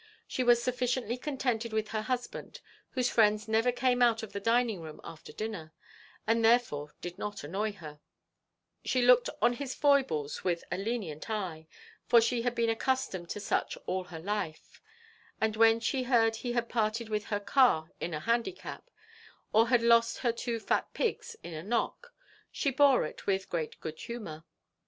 She was sufficiently contented with her husband, whose friends never came out of the dining room after dinner, and therefore did not annoy her; she looked on his foibles with a lenient eye, for she had been accustomed to such all her life; and when she heard he had parted with her car in a handicap, or had lost her two fat pigs in a knock, she bore it with great good humour.